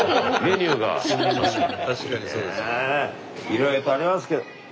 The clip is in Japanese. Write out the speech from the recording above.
いろいろやっぱありますけど。